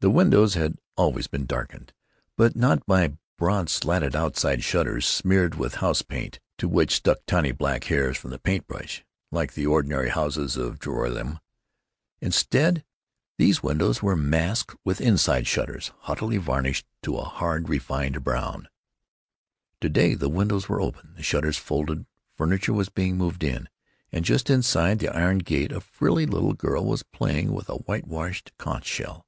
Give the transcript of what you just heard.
The windows had always been darkened, but not by broad slatted outside shutters, smeared with house paint to which stuck tiny black hairs from the paint brush, like the ordinary frame houses of Joralemon. Instead, these windows were masked with inside shutters haughtily varnished to a hard refined brown. To day the windows were open, the shutters folded; furniture was being moved in; and just inside the iron gate a frilly little girl was playing with a whitewashed conch shell.